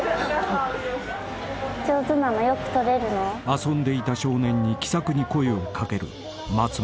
［遊んでいた少年に気さくに声を掛ける松本］